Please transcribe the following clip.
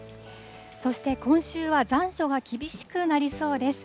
そして今週は残暑が厳しくなりそうです。